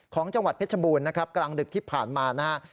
ของจังหวัดเพชรบูรณ์กลางดึกที่ผ่านมานะ